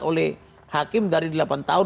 oleh hakim dari delapan tahun